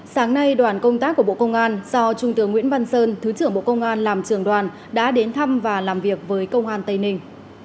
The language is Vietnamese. sáng nay đoàn công tác của bộ công an do trung tướng nguyễn văn sơn thứ trưởng bộ công an làm trường đoàn đã đến thăm và làm việc với công an tây ninh